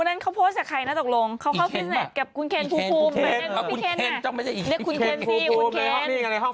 มันก็ทำยอดฟิล์มมือถือพุ่งเหมือนกันนะครับ